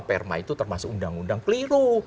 perma itu termasuk undang undang keliru